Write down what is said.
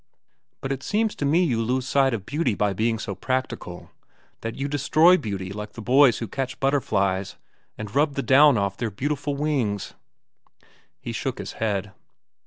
"But it seems to me you lose sight of beauty by being so practical, that you destroy beauty like the boys who catch butterflies and rub the down off their beautiful wings." He shook his head.